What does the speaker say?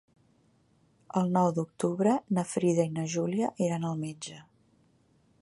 El nou d'octubre na Frida i na Júlia iran al metge.